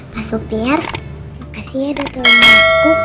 pak supir makasih ya udah tolong aku